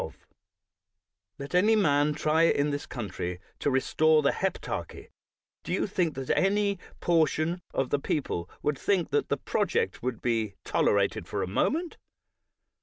251 THE WORLD'S FAMOUS ORATIONS Let any man try in this country to restore the heptarchy, do you think that any portion of the people would think that the project could be tolerated for a moment?